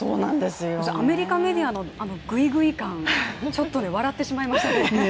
アメリカメディアのぐいぐい感ちょっと笑ってしまいましたね。